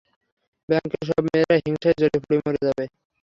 ব্যাংকের সব মেয়েরা হিংসায় জ্বলে-পুড়ে মরে যাবে!